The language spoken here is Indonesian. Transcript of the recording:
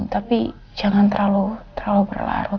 tapi jangan terlalu berlarut